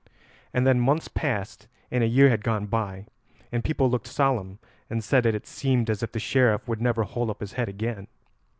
And then months passed and a year had gone by, and people looked solemn and said that it seemed as if the Sheriff would never hold up his head again.